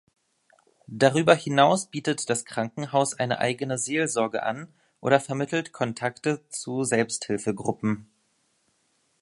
Darüber hinaus bietet das Krankenhaus eine eigene Seelsorge an oder vermittelt Kontakte zu Selbsthilfegruppen.